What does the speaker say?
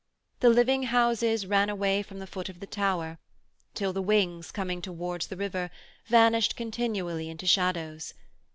The living houses ran away from the foot of the tower, till the wings, coming towards the river, vanished continually into shadows.